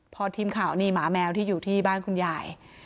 พอทีมข่าวนี่หมาแมวที่อยู่ที่บ้านคุณยาย